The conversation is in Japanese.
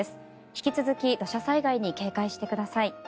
引き続き土砂災害に警戒してください。